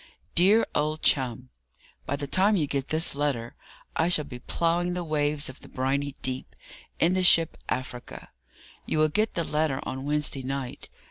"DEAR OLD CHUM," "By the time you get this letter, I shall be ploughing the waves of the briny deep, in the ship Africa. You will get the letter on Wednesday night.